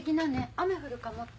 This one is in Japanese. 雨降るかもって。